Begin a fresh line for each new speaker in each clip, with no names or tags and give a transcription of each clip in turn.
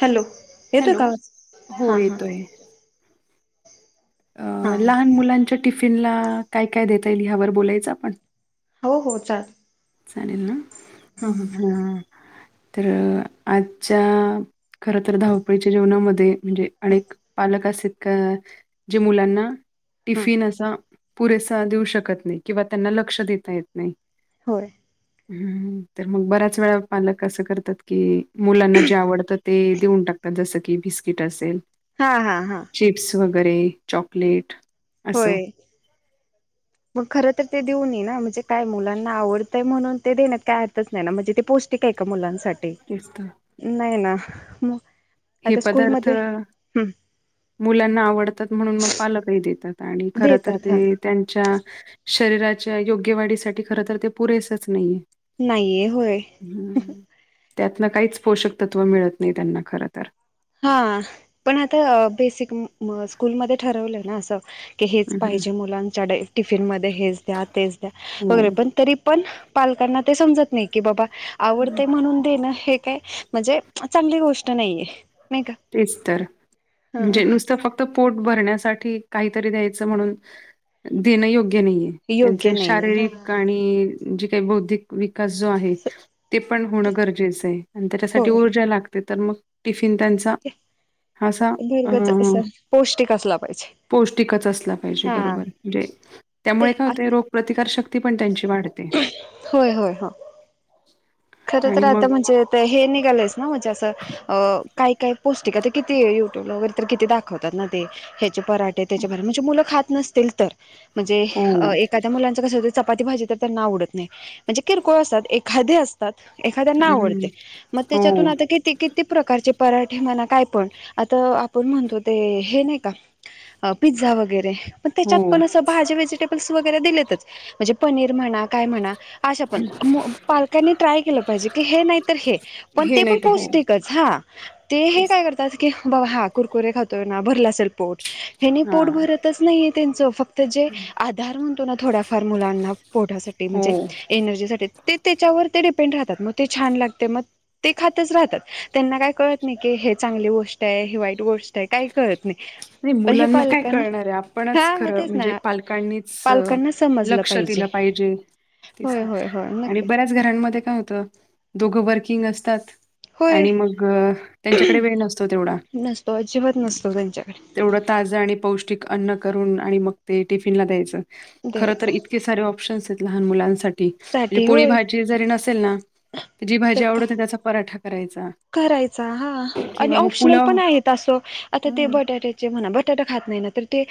Hello येतोय
hello.
का
हो
हां हां
येतोय. अ लहान मुलांच्या टिफिनला काय काय देता येईल ह्यावर बोलायचं आपण
हो हो चाल
चालेल ना हा तर आजच्या खर तर धावपळीच्या जेवणामध्ये म्हणजे
ह
अनेक पालक अस जे मुलांना
ह
टिफिन असा पुरेसा देऊ शकत नाही किंवा त्यांना लक्ष देता येत नाही
होय
ह् तर मग बऱ्याच वेळा पालक असं करतात की मुलांना जे आवडतात ते देऊन टाकतात जसं की बिस्किट असेल
हा हा हा
चिप्स वगैरे चॉकलेट असं.
होय मग खर तर ते देऊन ये ना म्हणजे काय मुलांना आवडतंय म्हणून ते देण्यात काय अर्थच नाही ना म्हणजे ते पौष्टिक आहे का मुलांसाठी
तेच तर.
नाही ना म
हे पदार्थ मुलांना आवडतात म्हणून मग पालकही देतात आणि खर तर
देतात हा
ते त्यांच्या शरीराच्या योग्य वाढीसाठी खर तर ते पुरेसच नाहीये
नाहीय हो
त्यातन काहीच पोषक तत्त्व मिळत नाही त्यांना खर तर
हा पण आता बेसिक स्कूलमध्ये ठरवलं ना अस की हेच
हं, हं.
पाहिजे मुलांच्या टिफिनमध्येध्ये हेच द्या तेच द्या वगैरे
हो.
पण तरी पण पालकांना ते समजत नाही की बाबा आवडते म्हणून देण हे काय म्हणजे चांगली गोष्ट नाहीये नाही का
तेच तर
हा
म्हणजे नुसतं फक्त ोट भरण्यासाठी काहीतरी द्याय म्हणूनण यो्य नाही
योग्य
त्यां
नाहीये हा
शारीरिक आणि जे काही बौधिक विकास जो आहे ते पण होणं गरजेचं आहे आणि त्याच्यासाठी
होय
ऊर्जा लागते तर मग टिफिन त्यां हाा अ
भरगच असं पौष्टिक असला पाहिजे
पौष्टिकच असला बरो
हा ते
त्यामुळे कायोग प्रतार ती पण त्यांची वाढते
होय होय हो खर
आणि
तर आता
मग
म्हणजे हे निघालंयस ना म्हणजे असं अ काय काय पौष्टिक तर किती युट्यूब ला वगैरे किती दाखवतात ना ते ण
हो.
खं चपाती भाजी तर नाव उडत नाही म्हणजे किरकोळ असतात एखादे असतात एखाद्याना
हं,
आवडते मग
हो,
त्याच्यातून आता किती किती प्रकारचे पराठे म्हना काय पण आता आपण म्हणतो ते हे नाही का पिझ्झा वगैरे पण
हो.
त्याच्यात पण असं भाजे व्हेजिटेबल्स वगैरे दिलेतच म्हणजे पनीर म्हणा काय म्हणा आशा पण पालकांनी ट्राय केलं पाहिजे की हे नाही तर हे पण
हे
ते
नाही
पण
तर हो.
पौष्टिकच हा ते हे
तेच
काय करतात की बाबा हा कुरकुरे खातोय ना भरला असेल पोट हेने पोट
हां.
भरतच नाहीये त्यांचं फक्त तर जे आधार म्हणतो ना थोड्याफार मुलांना पोढासाठी
हो.
म्हणजे एनर्जीसाठी ते त्याच्यावर डपेंड राात मग ते छान लागते मग ते खातच राहतात त्यांना काही कळत नाही हे चांगली गोष्ट आहे वाईट गोष्ट आहे काय करत नाही
नाही
पण हे
मुलांना काय
पालकांना
कळणार आहे
हा
आपणच
मग
खरं
तेच ना
म्हणजे पालकांनीच
पालकांना समजलं
लक्ष
पाहिजे
दिलं पाहिे
होय होय होय
आणि
नक्की
बऱ्याच घरांमध्ये काय हो दोघं वर्किंग असतात
होय
आणि मग त्यांच्याकडे वेळ नसतो तेवढा
नसतो अजिबात नसतो त्यांच्याकडे
तेवढा ताज आणि पौष्टिक अन्न करून आणि मग ते टिफीन ला द्यायचं खरतर
द्यायचा
इतके सारे ऑप्शन्स आहे लहान मुलांसाठी म्हणजे
साठी
पोळी
होय
भाजी जरी नसेल ना जी
तर
भाजी
का
आवडतते त्याचा पराठा करायचा
करायचा हा आणि
किंवा मग
ऑप्शनल
पुलाव
पण आहेत तसं आता ते
हम्म
बटाट्याचे म्हणा बटाटे खात नाही ते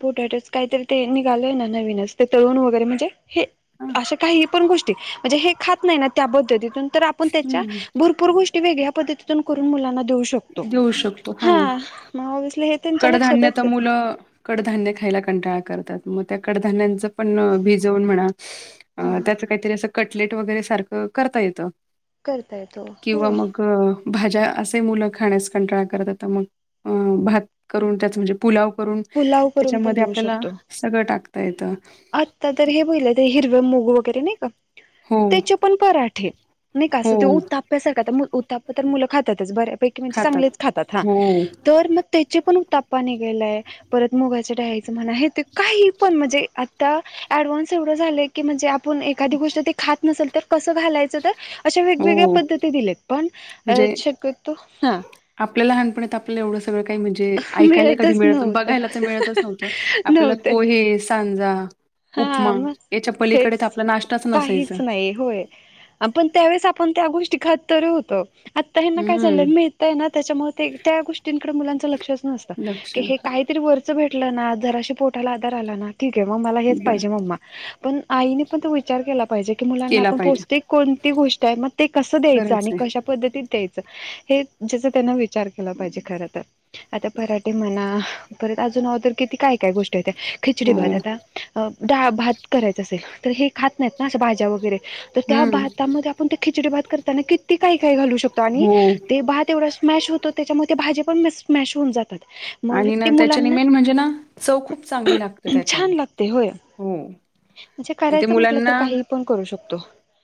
पोटट का ते निघाल ना नवीनच ते तळण वगैरे म्हणजे हे
हा
अशा काही पण गोष्टी म्हणजे हे खात नाही ना त्या पद्धतीतून तर आपण त्याच्या
हम्म
भरपूर गोष्टी वेगळ्या पद्धतीतून करून मुलांना देऊ शकतो
देऊ शकतो
हा त्यांच्या
कडधान्य
लक्षातच
तर
येत नाही
मुलं कडधान्य खायला कंटाळा करतात मग त्या कडधान्यांच पण भिजवून म्हणा
हा
त्याचं काहीतरी असं कटलेट वगैरे सारखं करता येतं
करता येतो
किंवा
होय
मग भाज्या असे मुलं खाण्यास कंटाळा करतता मग भात करून त्याच म्हणजे पुलाव करून
पुलाव करून पण
त्याच्यामध्ये
देऊ
आपल्याला
शकतो.
सगळं टाकता येतं हो,
त्या पण पराठे नाही का अस
हो,
ते त्यासारख उप तर मुलं खातातच बऱ्यापैकी म्हणजे चांगलेच खातात हा
हो,
तर मग त्याचे पण तापा निघेलाय परत मुगाच्या डहायचं म्हणा आहे ते काही पण म्हणजे ऍडव्हान्स एवढं झाले की म्हणजे आपण एखादी गोष्ट ते खात नसेल तर कसं घालायचं तर अशा वेगवेगळ्या
हो.
पद्धती दिल्यात पण अ
म्हणजे
शक्यतो हा
आपल्याला लहानपणीत आपल्याला एवढं सगळं काही म्हणजे ऐकायला कधी
मिळतच
मिळत बघ
नव्हतं
बघायला तर मिळत न्हवत आपल्याला
नव्हते
पोहे सांजा
हा
उपमा
मग
याच्या
हेच
पलीकडे तर आपला नाश्ताच नसायचा.
काहीच नाही होय पण त्यावेळेस आपण त्या गोष्टी खाततरी होतो आत्ता हे ना काय
हं,
चाललंय मिळय ना त्याच्यामुळे ते त्या गोष्टींकडे मुलांच लक्षच नसतं
लक्ष
की हे काहीतरी वरच भेट ना जरा पोटाला आार आला ना ठीके मग मला
बरं
हेचजे म पण आईने पण तो विचार केला पाहिजे की मुलांना
केला
आपण
पाहिजे.
पौष्टिक कोणती गोष्ट आहे मग ते कसं द्यायचं
खरंच
आणि
आहे.
कशा पद्धतीत द्यायचं हे ज्याचा त्यांन विचार केला पाहिजे खर तर आता पराठे म्हणा परत अजून ऑदर किती काय काय गोष्ट होेत खिचडी भात
हो.
आता ड भात करायच असेल तर हे खात नाहीत ना असं भाज्या वगैरे तर त्या
हं.
भातामध्ये आपण ते खिचडी भात करताना क त काही काही घालू शकतो आणि
हो.
ते भात तेवढा स्मॅश होतो त्याच्यामध्ये ते भाजी पण स्मॅश होऊन जात
आणि ना त्याच्याने मेन म्हणजे ना चव खूप चांगली लागते त्याच्याने,
छान लागते होय
हम्म.
म्हणजे करायचं म्हटलं तर काही पण करू शकतो.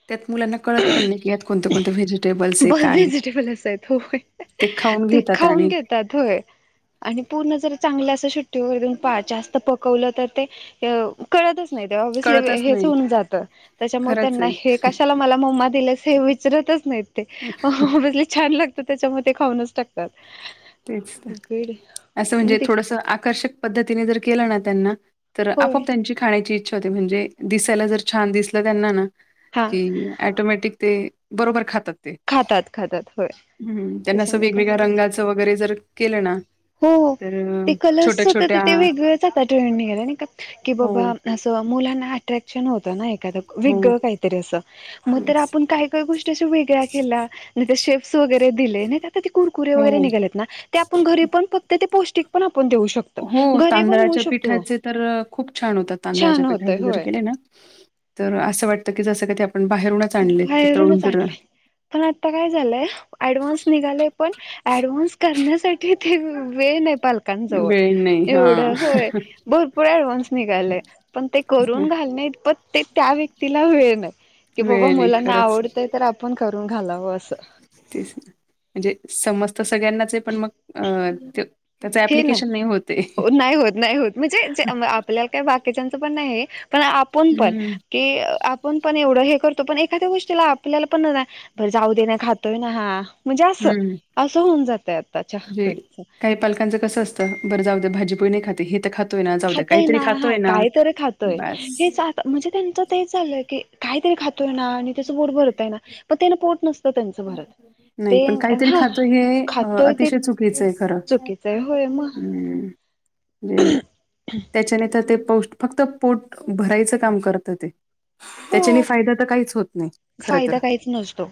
त्यात मुलांना कळत पण नाही कीत कोणते कोणते व्हेजिटेबल्स आहे
ब
काय
व्हेजिटेबल असं आहेत होय
ते खा
ते खाऊन घेतात होय. आणि पूर्ण जर चांगली असं सुट्टी वगैरे पाहा जास्त पकवलं तर ते करतच ज
कळतच नाही
त्यां
खरंच आहे
कशाला म हे विचरतच नाहीत तेजले छान लागत त्याच्यामध्ये खाऊनच टाकतात.
तेच तर
गुड
असं
मग
म्हणजे
ते
थोडस आकर्षक पद्धतीने जर केलं ना त्यांना तर
होय
आपोआप त्यांची खाण्याची इच्छा होते म्हणजे दिसायला जर छान दिसलं त्यांना ना
हा
कि ऍटोमॅटिक ते बरोबर खातात.
खातात खातात होय
हम्म त्यांना असं
त्याच्यामुळे काय
वेगवेगळ्या
होईल
रंगाच वगैरे जर केलं ना
हो
तर.
ते कलर्स
छोट्या
होत
छोट्या
ते वेगळ आता ट्रेंडने गेला नाही का की
हो
बाबा असं मुलांना, अट्रॅक्शन होत ना? वे
हो
काहीतरी असग
येस.
आपण का का गोष्टीश वेगळ्या केल्या. आणि, वगैरे दिलेत ना कुरकुेरे वैगरे
हो.
निघालेत ना आप घरी पण ते पौष्टण,
हो तांदळाच्या पिठाचे तर खूप छान होतात, तांदळाच्या
छान होतय
पिठाचे जर
होय
केले ना? तर असं वाटतं की जसं की,
बाहेरूनच आणलय. पण आता काय झालंय एडव्हान्स निघालाय पण एडव्हान्स करण्या साठी ते वेळ नाही. पालकांचा ओ
वेळ नाही
एवढ
हां.
होय भरपूर एडव्हान्स निघालय पण ते करून घालायचं, प त्या व्यक्ती वेळ नाही कि बाबा
वेळ नाही
मुलांना
खरंच
आवडतय आपण करू करून घालाव असं.
तेच म्हणजे समजत सगळ्यांनाच आहे पण मग अ ते, त्याचं
हे नाही
ॲप्लिकेशन होत आहे.
नाही होत नाही होत म्हणजे आपल्याला काय बाकीच्याच पण नाही, पण आपण पण
हं,
की आपण पण एवढं हे कर, ो पण एखाद्या गोष्टीला आपल्याला पणर जाऊ दे नाही खातोय ना हा, म्हणजे असं
हं.
असं होऊन जातय आताच्या पिढीच.
बरे जाऊ भाजी पोळी नाही खात हे खात
खाताय ना हा कायतरी खातोय
बास.
हेच म्हणजे त्यांच ते चालंय की कायतरी खात आणि त्याच पोट भरताय ना प त्या त्यांच भरत
नाही
ते
पण काहीतरी
हा
खातोय हे अ,
खातातोय ते
अतिशय चुकीचं आहे खरं.
चुकीचं आहे होय, म
म्हणे त्याच्याने तर ते प फक्त पोट भरायचं काम करत ते
हो
त्याच्याने फायदा तर काहीच होत नाही खर तर.
फायदा काहीच नसतो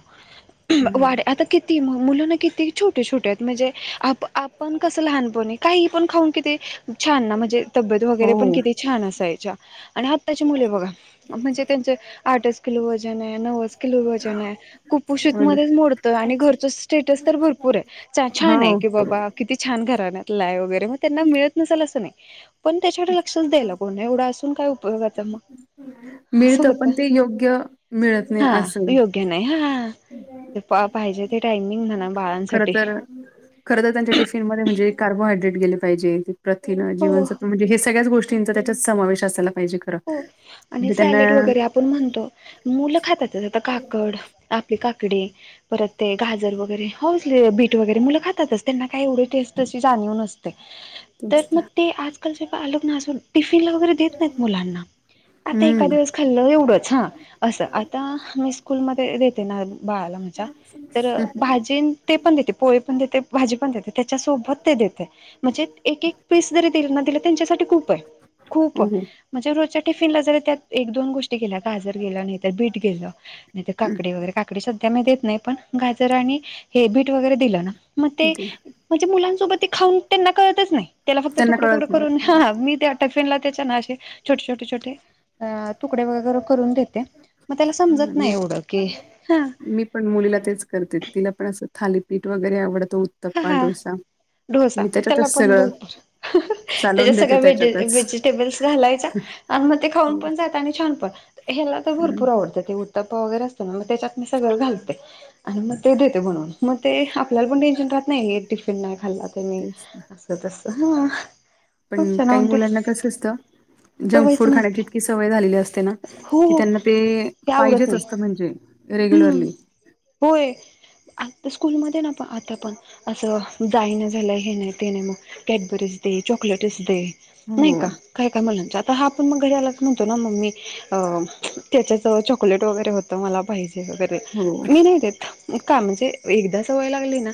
हं.
वाढ आता किती मुलाना किती, छोटे छोटे आहेत म्हणजे आप आपण कसं लहानपणी काही पण खाऊन कि छान ना म्हणजे, तब्येत
हो
वगैरे पण किती छान असायच्या आणि आत्ताची मुले बघा म्हणजे त्यांचे, आठच कलो वजन आहे. नऊच किलो वजन आहे. कुपोषित
हो ना.
मध्ये मोडतो, घर च स्टेटस तर भरपूर आहे. छान आहे
हो
कि बाबा किती छान घराण्यातलाय वगैरे मग त्यांना मिळत नसाल अस नाही. पण त्याच्यासाठी लक्षच द्याय कोण एवढा असून काय उपयोगता मग. असं
मिळत पण
होतं
ते योग्य, मिळत नाही
हा
असं.
योग्य नाही हा ते पाहिजे. ते टायमिंग म्हणा
खर
बाळांसाठी
तर खर तरर त्यांच्या टिफिन मध्ये म्हणजे कार्बोहायड्रेट गेले पाहिजे. प्रथिन
हो
जीवसत्व म्हणजे हे सगळ्याच गोष्टींचा त्यात समावेश असाला पाहिजे. खरं.
हो आणि
म्हणजे त्यांना
सॅलेड वगैरे आपण म्हणतो मुलं खातात आता काकड, आप काकडी परत ते गाजर वगैरे हो बीट वगैरे मुलं खातातच त्यांना, काय एवढी टेस्ट त्याची चांगली नसते. तर मग ते आजकाल चे पालक ना अजून वगैरे देत नाही मुलांना आता एका
हम्म.
दिवस खाल्लं एवढंच हा असं आता मी स्कूलमध्ये देते ना बाळाला भाजी ते पण द पोळी पण देते भाजी पण देते त्याच्यासोबत ते देते. म्हणजे एक एक पीस जरी दिलं त्यांच्यासाठी खूप आहे खूप
हो.
म्हणजे रोजच्या टिफिनला जरी त्यात एक दोन गोष्टी गेल्या गाजर गेलं नाही तर बीट गेलं नाही ते
हं.
काकडी वगैरे काकडी सध्या मी देत नाही पण गाजर आणि हे बीट वगैरे दिलं मग ते म्हणजे मुलांसोबत ते खाऊन त्यांना करळतच नाही त्याला फक्त
त्यांना
तुकड, तुकड
कळत नाही.
करून मी त्या टफिनला त्या असे छोटे, छोटे, छोटे तुकडे वगैरे करून देते. मग त्याला
ह
समजत
मी,
नाही एवढं की हा
मी पण मुलीला तेच करते तिला पण असं थालीपीठ वगैरे आवडतो उत्तप्पा डोसा
ढोसा
मी
त्याला
त्याच्यातच
पण
सगळं
भरपूर त्याच्या
चालवून देते
सगळ्या वहेज
त्याच्यातच
व्हेजिटेबल्स घालायचा आण म ते खाऊन पण जाता आणि छान पण ह्याला तर
हम्म,
भरपूर आवडतं ते उत्तप्प वगैरे असतं ना मग त्याच्यात मी सगळं घालते. आणि मग ते देते बनून मग ते आपल्याला पण टेन्शन राहत नाही टिफिन ना खल्ला तुम्ही
तेच ना
असं तस.
पण काही मुलांना कसं असतं. जंक
सवयच
फूड
नसते
खाण्याची इतकी सवय झालेली असते ना
हो
की
हो
त्यांना ते
हे आवडत
पाहिजेच
नाही
असत. म्हणजे
हम्म
रेग्युलरली.
होय आता स्कूलमध्ये ना पा आता पाहा असं जाई ना झालं हे नाही ते नाही मग कॅटबरीच चॉकलेट च दे नाही
हो
का काय काय मुलांच्या हा पण मग ह्यालाच म्हणतो ना मम्मी अ त्याच्या जवळ चॉकलेट वगैरे होतं मला पाहिजे, वगरे
हो
मी नाही देत का म्हणजे एकदा सवय लागली ना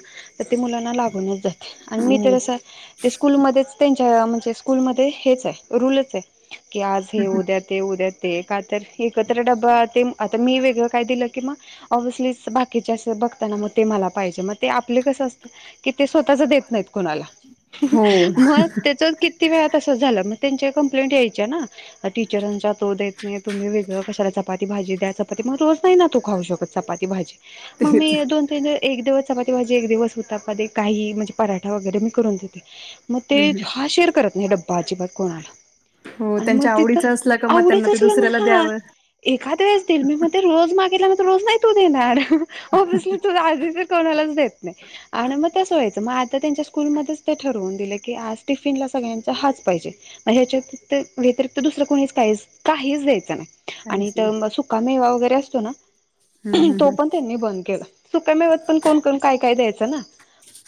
ते मुलांना लागूनच जाते आण मी तर
हो
असं ते स्कूलमध्येच त्यांच्या म्हणजे स्कूलमध्ये हेचे रूलचे की आज हे
हं, हं.
उद्या ते उद्या ते का तर एकत्र ड्बा ते आता मी वेगळं काय दिलं की मग ऑबेसली बाकी चे असे बघताना म ते मला पाहिजे ते आप कस असत की ते स्वत च देत नाही कोणाला
हो
म तेच किती वेळा तसच झाल त्यांच्या कंप्लेंट यायच्या ना टीचरांच्या तो देत नाही तुम्ही वेगळ कशाला चपाती भाज चपाती मग रोज नाही तो खऊ शकत चपाती भाजी मग
तेच
मी दोन तीन दिवस एक दिवस चपाती भाजी एक दिवस उत्तप्पा दे काही म्हणजे पराठा वगैरे मी करून देते मग ते
हम्म,
हा शेअर करत नाही डब्बा अजिबात कोणाला
हो
आणि मग
त्यांच्या
तिथ
आवडीचा असला का मग
आवडच
त्यांना ते
असलं ना
दुसऱ्याला
हा
द्यावं
एखाद वेळेस देईल मी मग ते रोज मागेला रोज नाही तो देनार ऑबेसली तो आजी चे कोणालाच देत नाही अन म तसं व्हायचं मग आता त्यांच्या स्कूलमध्येच ते ठरवून दिलं की आज टिफिनला सगळ्यांचा हाच पाहिजे म हेच्या व्यतिरिक्त व्यतिरिक्त दुसरं कोणीच काहीच काहीच दयचं नाही आणि
काहीच नाही
सुका मेवा वगैरे असतो ना
हम्म, हम्म,
तो
हम्म.
पण त्यांनी बंद केला. सुका मेव्यात पण कोण कोण काय काय द्यायचं ना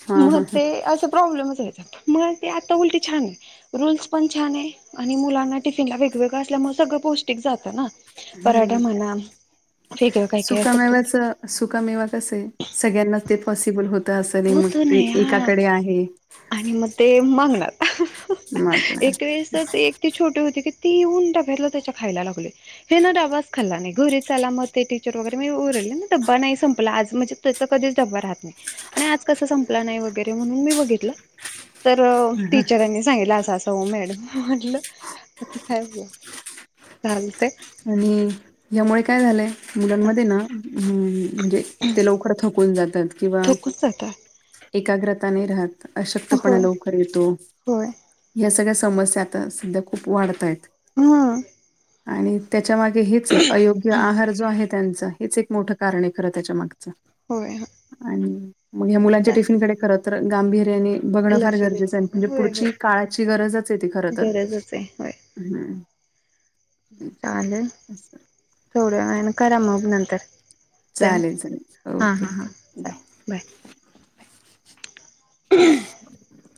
हा
मग
हा हा
ते असं प्रॉब्लेमच यायचा मग ते आता उलटी छाने रूल्स पण छाने आणि मुलांना टिफिनला वेगवेगळं असल्यामुळे सगळं पौष्टिक जात ना पराठा म्हणा वेगळ काही
सुका मेव्याच सुका मेवा कसंये सगळ्यांनाच ते पॉसिबल होतं असं मग
होत
ते
नाही हा
एकाकडे आहे
आणि म ते मागणार एक
मागणार
वेळेस त एक ती छोटी होती ती येऊन डब्यातले त्याचं खायला लागते. यांन डबाच खाल्ला नाही. घरी चला मग ते टीचर वगैरे ते ओरडले. नाही संपला आज म्हणजे त्याचा कधी डबा राहत नाही. आणि आज कस संपला नाही वगैरे म्हणून मी बघितलं. तर टीचरांनी सांगितला अस असं ओ मॅडम. म्हटलं आता काय ब चाललेय.
आणि यामुळे काय झालंय
हा
मुलांमध्ये ना, अम्म म्हणजे ते लवकर थकून जातात.
थकूस जातात.
एकाग्रताने राहत, अशक्तपणा लवकर येतो
होय
या सगळ्या समस्या आता सध्या खूप वाढतायेत.
ह.
आणि त्याच्यामागे हेचे अयोग्य आहार जो आहे त्यांचा हेच एक मोठं कारणे खरं त्याच्या माग.
होय
आणि मग ह्या मुलांच्या टिफिनकडे खर तर गांभीर् याणी बघणं फार
लक्ष दिलं
गरजेचं
पाहिजे
म्हणजे
होय
पुढची
होय
काळाची गरजचे ती खर तर.
गरजच आहे होय
हम्म.
चालेल
असं.
थोड्या वेळाने करा मग नंतर. ट
चालेल चालेल
हा
ओके
हां हां
बाय.
चालेल बाय. [inaudible]